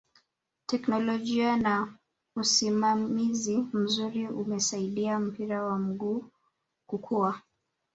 teknolojia na usimamizi mzuri umesaidia mpira wa miguu kukua